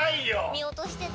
見落としてた。